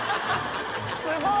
すごい！